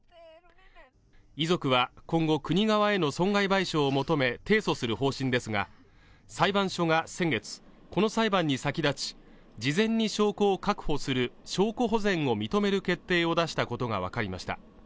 遺族は今後、国側への損害賠償を求め提訴する方針ですが裁判所が先月この裁判に先立ち事前に証拠を確保する証拠保全を認める決定を出したことが分かりました